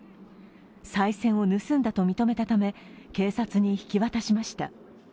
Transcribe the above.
さい銭を盗んだと認めたため警察に引き渡しました。